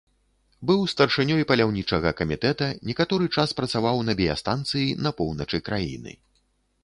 Быў старшынёй паляўнічага камітэта, некаторы час працаваў на біястанцыі на поўначы краіны.